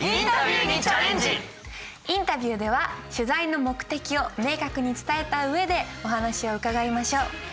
インタビューでは取材の目的を明確に伝えた上でお話をうかがいましょう。